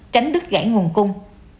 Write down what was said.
tránh đứt gãy nguồn cung